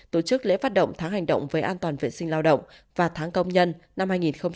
tổ chức lễ phát động tháng hành động về an toàn vệ sinh lao động và tháng công nhân năm hai nghìn hai mươi bốn